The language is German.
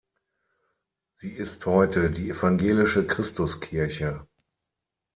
Sie ist heute die evangelische Christuskirche.